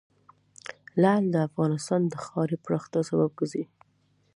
لعل د افغانستان د ښاري پراختیا سبب کېږي.